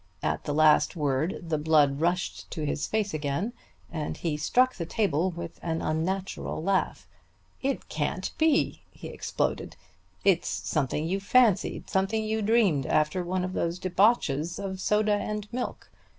At the last word the blood rushed to his face again and he struck the table with an unnatural laugh. "It can't be!" he exploded. "It's something you fancied, something you dreamed after one of those debauches of soda and milk.